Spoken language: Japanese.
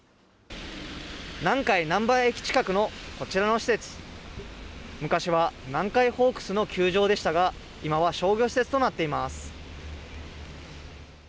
南海なんば駅近くのこちらの施設、昔は南海ホークスの球場でしたが、今は商業施設となっています。